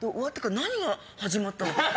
何が始まったの？って。